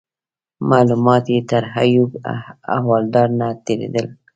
معلومات یې تر ایوب احوالدار نه تیرېدل.